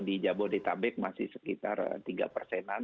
di jabodetabek masih sekitar tiga persenan